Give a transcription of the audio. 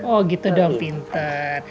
oh gitu dong pinter